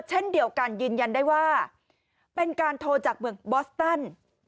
เช่นเดียวกันยืนยันได้ว่าเป็นการโทรจากเมืองบอสตัน